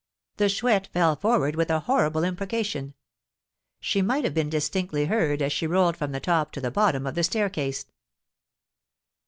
The Chouette fell forward with a horrible imprecation. She might have been distinctly heard as she rolled from the top to the bottom of the staircase.